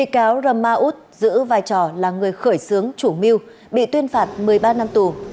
cáo râm ma út giữ vai trò là người khởi xướng chủ mưu bị tuyên phạt một mươi ba năm tù